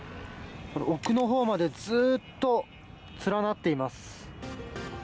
奥のほうまでずっと連なっています。